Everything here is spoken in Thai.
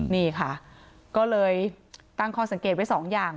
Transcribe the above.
นี่ค่ะก็เลยตั้งข้อสังเกตไว้สองอย่าง